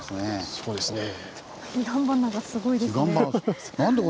そうですねぇ。